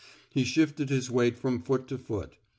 He shifted his weight from foot to foot.